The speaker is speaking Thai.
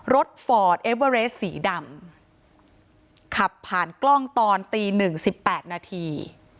ฟอร์ดเอเวอเรสสีดำขับผ่านกล้องตอนตีหนึ่งสิบแปดนาที